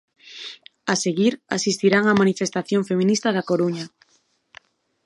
A seguir, asistirán á manifestación feminista da Coruña.